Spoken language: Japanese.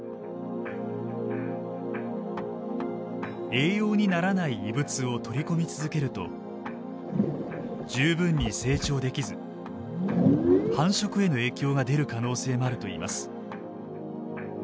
栄養にならない異物を取り込み続けると十分に成長できず繁殖への影響が出る可能性もあるといいます。